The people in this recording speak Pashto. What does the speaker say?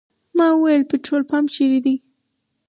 ما وویل پټرول پمپ چېرې دی.